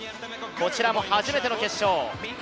こちらも初めての決勝。